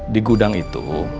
di gudang itu